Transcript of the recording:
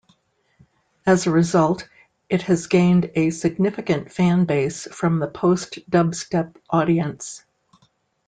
As a result, it has gained a significant fanbase from the post-dubstep audience.